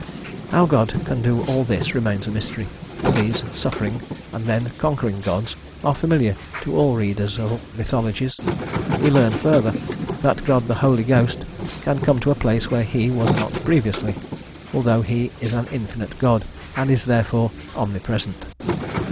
How God can do all this remains a mystery, but these suffering, and then conquering gods are familiar to all readers of mythologies; we learn further, that God the Holy Ghost can come to a place where He was not previously, although He is the infinite God, and is therefore omnipresent.